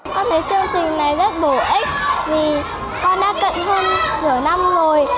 con thấy chương trình này rất bổ ích vì con đã cận hơn nửa năm rồi